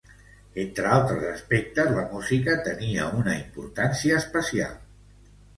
Entre altres aspectes, la música tenia una importància especial.